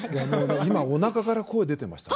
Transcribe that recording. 今、おなかから声が出ていましたよ。